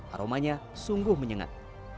aromanya sungguh menyengat